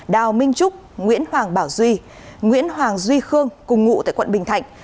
đào minh trúc nguyễn hoàng bảo duy nguyễn hoàng duy khương cùng ngụ tại quận bình thạnh